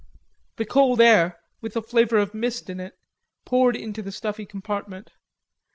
The cold air, with a flavor of mist in it, poured into the stuffy compartment.